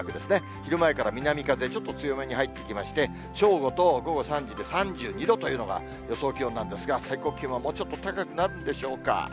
昼前から南風、ちょっと強めに入ってきまして、正午と午後３時で３２度というのが予想気温なんですが、最高気温はもうちょっと高くなるんでしょうか。